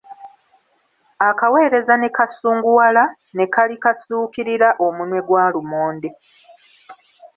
Akaweereza ne kasunguwala ne kalikasuukirira omunwe gwa lumonde.